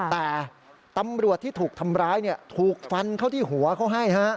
แต่ตำรวจที่ถูกทำร้ายถูกฟันเข้าที่หัวเขาให้